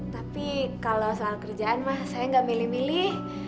tapi kalau soal kerjaan saya nggak milih milih